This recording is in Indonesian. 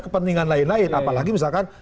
kepentingan lain lain apalagi misalkan